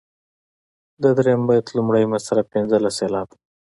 د دریم بیت لومړۍ مصرع پنځلس سېلابه ده.